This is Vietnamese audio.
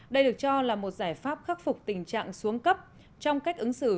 đây được cho là một giải pháp khắc phục tình trạng xuống cấp trong cách ứng xử